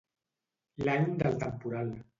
L'any del temporal.